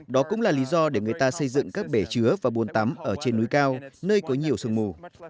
đó cũng là lý do để người ta xây dựng các bể chứa và buôn tắm ở trên núi cao nơi có nhiều sương mù